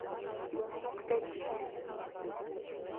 Мом моктетше?